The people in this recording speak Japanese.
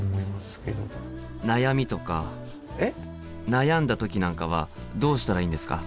悩んだ時なんかはどうしたらいいんですか？